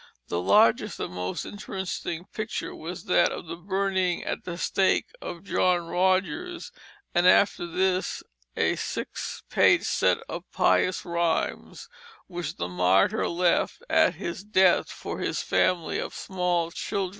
The largest and most interesting picture was that of the burning at the stake of John Rogers; and after this a six page set of pious rhymes which the martyr left at his death for his family of small children.